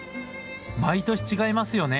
毎年違いますよね。